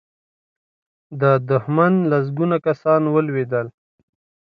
د دښمن لسګونه کسان ولوېدل.